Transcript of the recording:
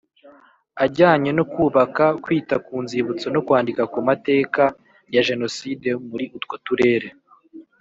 ajyanye no kubaka kwita ku Nzibutso no kwandika ku mateka ya Jenoside muri utwo Turere